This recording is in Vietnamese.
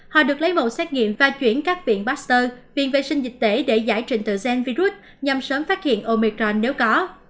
họ được lấy mẫu xét nghiệm và chuyển các viện pasteur viện vệ sinh dịch tễ để giải trình tự gen virus nhằm sớm phát hiện omicron nếu có